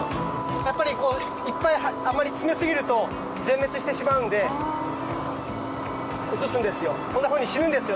やっぱりこういっぱいあまり詰めすぎると全滅してしまうので移すんですよ。